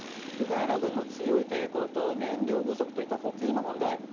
ウクライナ軍の強い抵抗と燃料不足といった補給の問題